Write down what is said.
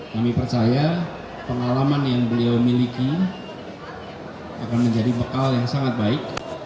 kami percaya pengalaman yang beliau miliki akan menjadi bekal yang sangat baik